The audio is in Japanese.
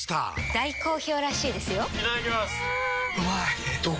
大好評らしいですよんうまい！